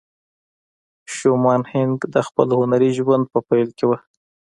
شومان هينک د خپل هنري ژوند په پيل کې وه.